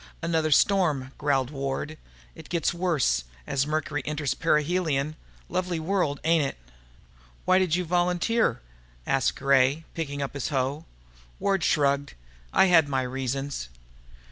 "Another storm," growled Ward. "It gets worse as Mercury enters perihelion. Lovely world, ain't it?" "Why did you volunteer?" asked Gray, picking up his hoe. Ward shrugged. "I had my reasons."